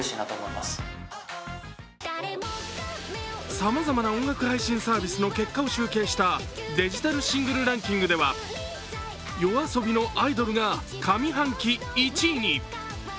さまざまな音楽配信サービスの結果を集計したデジタルシングルランキングではＹＯＡＳＯＢＩの「アイドル」が上半期１位に。